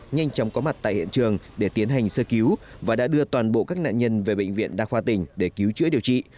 nhanh chóng có mặt tại hiện trường để tiến hành sơ cứu và đã đưa toàn bộ các nạn nhân về bệnh viện đa khoa tỉnh để cứu chữa điều trị